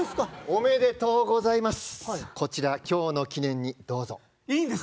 おめでとうございます。